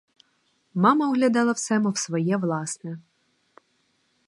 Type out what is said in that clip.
Мама оглядала все, мов своє власне.